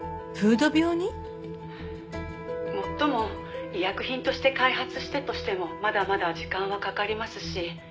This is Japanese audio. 「もっとも医薬品として開発したとしてもまだまだ時間はかかりますし」